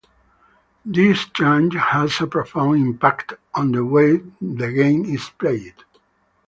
This change has a profound impact on the way the game is played.